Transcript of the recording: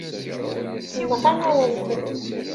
Nɣan-awen-ten.